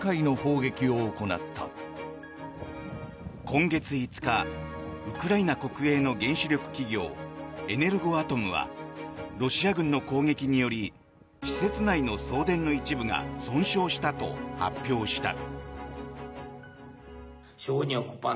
今月５日、ウクライナ国営の原子力企業エネルゴアトムはロシア軍の攻撃により施設内の送電の一部が損傷したと発表した。